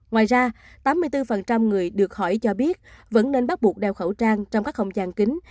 ngoài ra tám mươi bốn người được hỏi cho biết vẫn nên bắt buộc đeo khẩu trang trong các không gian kính